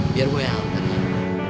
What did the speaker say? biar gua yang alamin